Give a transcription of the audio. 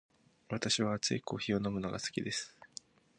私は熱いコーヒーを飲むのが好きです。